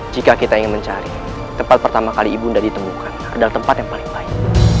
jika kita ingin mencari tempat pertama kali ibunda ditemukan adalah tempat yang paling baik